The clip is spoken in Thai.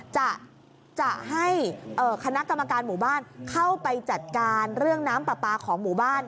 จะให้คณะกรรมการหมู่บ้านเข้าไปจัดการเรื่องน้ำปลาปลาของหมู่บ้าน